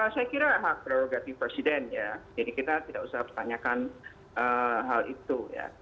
saya kira hak prerogatif presiden ya jadi kita tidak usah pertanyakan hal itu ya